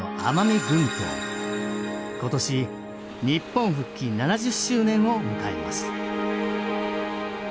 今年日本復帰７０周年を迎えます